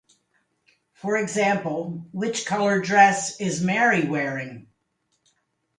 For example, Which color dress is Mary wearing?